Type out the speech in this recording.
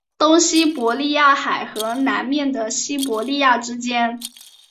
东西伯利亚海和南面的西伯利亚之间。